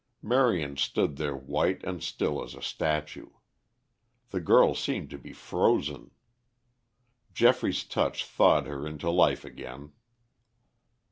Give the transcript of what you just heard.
Marion stood there white and still as a statue. The girl seemed to be frozen. Geoffrey's touch thawed her into life again.